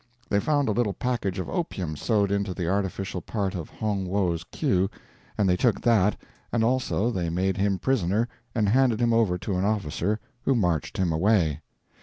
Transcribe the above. They found a little package of opium sewed into the artificial part of Hong Wo's queue, and they took that, and also they made him prisoner and handed him over to an officer, who marched him away.